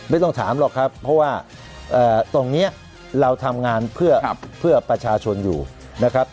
ไม่ต้องถามหรอกครับเพราะว่าตรงนี้เราทำงานเพื่อประชาชนอยู่นะครับ